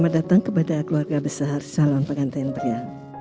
putri tidak diperbolehkan bertemu dengan gwinandra